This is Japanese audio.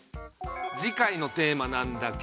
次回のテーマなんだけど。